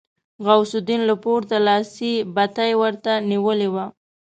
غوث الدين له پورته لاسي بتۍ ورته نيولې وه.